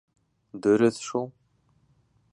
— Дөрөҫ шул.